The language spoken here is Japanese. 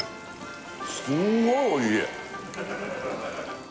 すごいおいしい